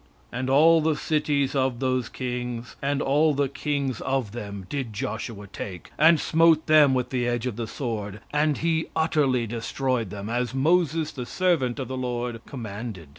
"And all the cities of those kings, and all the kings of them, did Joshua take, and smote them with the edge of the sword, and he utterly destroyed them, as Moses the servant of the Lord commanded.